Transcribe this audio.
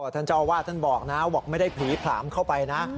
ท่านเจ้าว่าท่านบอกนะไม่ได้ผีผลามเข้าไปนะ